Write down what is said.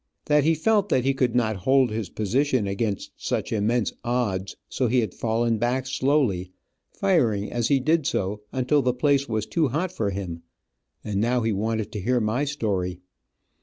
That he felt that he could not hold his position against such immense odds, so he had fallen back slowly, firing as he did so, until the place was too hot for him, and now he wanted to hear my story.